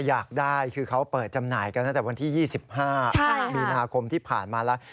อยากได้คือเขาเปิดจำหน่ายกันตั้งแต่วันที่๒๕มีนาคมที่ผ่านมาแล้ว